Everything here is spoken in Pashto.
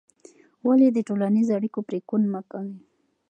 ولې د ټولنیزو اړیکو پرېکون مه کوې؟